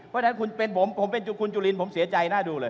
เพราะฉะนั้นผมเป็นคุณจุลินผมเสียใจหน้าดูเลย